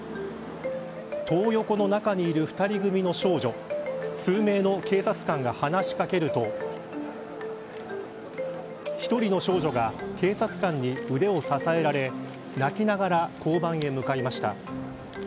トー横の中にいる２人組の少女数名の警察官が話し掛けると１人の少女が警察官に腕を支えられ泣きながら交番へ向かいました。